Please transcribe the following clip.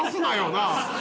なあ。